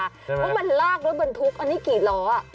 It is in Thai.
เพราะมันลากโดยเบิดทุกข์อันนี้กี่ล้อ